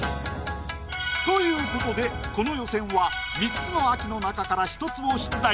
という事でこの予選は３つの秋の中から１つを出題。